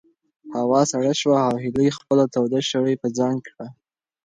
هوا سړه شوه او هیلې خپله توده شړۍ په ځان کړه.